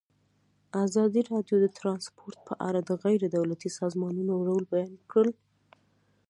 ازادي راډیو د ترانسپورټ په اړه د غیر دولتي سازمانونو رول بیان کړی.